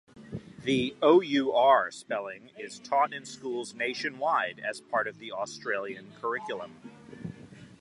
The "-our" spelling is taught in schools nationwide as part of the Australian curriculum.